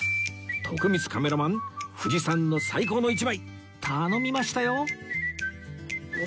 徳光カメラマン藤さんの最高の一枚頼みましたよ！